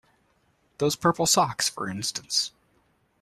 Those purple socks, for instance.